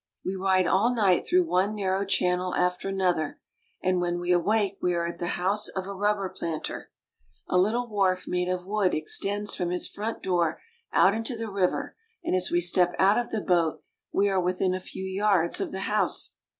We ride all night through one narrow channel after an other, and when we awake we are at the house of a rub ber planter. A liftle wharf made of wood extends from his front door out into the river, and as we step out of the RUBBER. 315 boat we are within a few yards of the house.